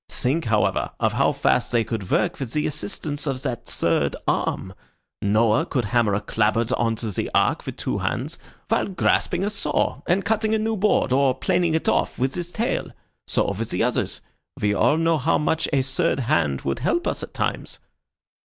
Think, however, of how fast they could work with the assistance of that third arm. Noah could hammer a clapboard on to the Ark with two hands while grasping a saw and cutting a new board or planing it off with his tail. So with the others. We all know how much a third hand would help us at times."